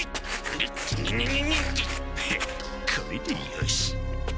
フンこれでよし！